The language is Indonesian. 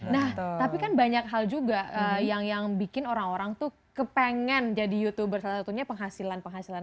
nah tapi kan banyak hal juga yang bikin orang orang tuh kepengen jadi youtuber salah satunya penghasilan penghasilan